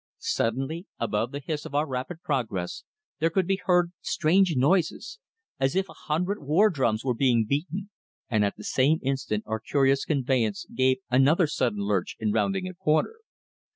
Suddenly, above the hiss of our rapid progress, there could be heard strange noises, as if a hundred war drums were being beaten, and at the same instant our curious conveyance gave another sudden lurch in rounding a corner.